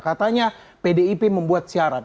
katanya pdip membuat syarat